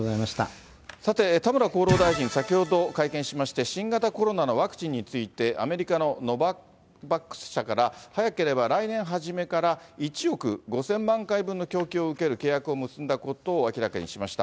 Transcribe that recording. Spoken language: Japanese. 田村厚労大臣、先ほど会見しまして、新型コロナのワクチンについて、アメリカのノババックス社から、早ければ来年初めから１億５０００万回の供給を受ける契約を結んだことを明らかにしました。